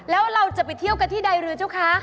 แล้วเราจะไปเที่ยวกันที่ใดหรือเจ้าคะ